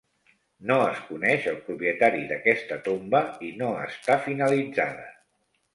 No es coneix el propietari d'aquesta tomba i no està finalitzada.